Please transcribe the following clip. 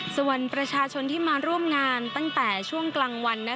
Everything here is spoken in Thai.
ส่วนประชาชนที่มาร่วมงานตั้งแต่ช่วงกลางวัน